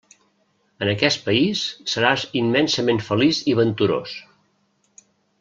En aquest país seràs immensament feliç i venturós.